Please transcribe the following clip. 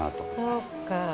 そうかぁ。